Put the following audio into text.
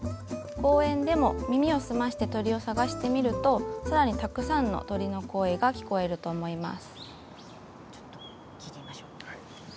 公園でも耳を澄まして鳥を探してみるとさらにたくさんの鳥の声が聞こえると思います。